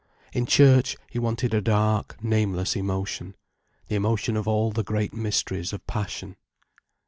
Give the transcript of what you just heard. In church, he wanted a dark, nameless emotion, the emotion of all the great mysteries of passion.